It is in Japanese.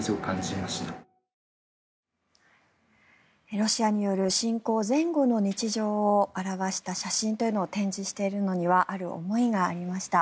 ロシアによる侵攻前後の日常を表した写真というのを展示しているのにはある思いがありました。